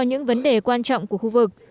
những vấn đề quan trọng của khu vực